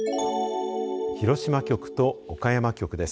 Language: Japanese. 広島局と岡山局です。